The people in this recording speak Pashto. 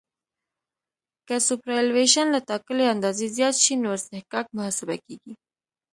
که سوپرایلیویشن له ټاکلې اندازې زیات شي نو اصطکاک محاسبه کیږي